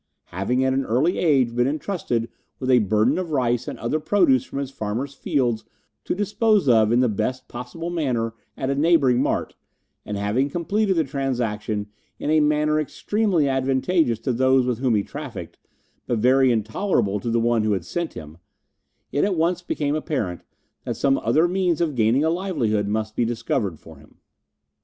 Having at an early age been entrusted with a burden of rice and other produce from his father's fields to dispose of in the best possible manner at a neighbouring mart, and having completed the transaction in a manner extremely advantageous to those with whom he trafficked but very intolerable to the one who had sent him, it at once became apparent that some other means of gaining a livelihood must be discovered for him.